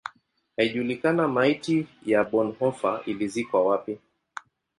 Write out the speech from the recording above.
Haijulikani maiti ya Bonhoeffer ilizikwa wapi.